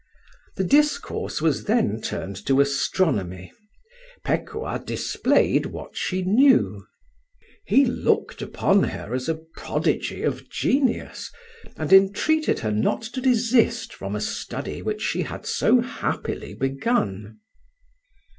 The discourse was then turned to astronomy. Pekuah displayed what she knew. He looked upon her as a prodigy of genius, and entreated her not to desist from a study which she had so happily begun.